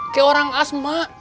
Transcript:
kayak orang asma